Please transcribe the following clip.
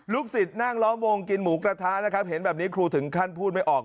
สิทธิ์นั่งล้อมวงกินหมูกระทะนะครับเห็นแบบนี้ครูถึงขั้นพูดไม่ออก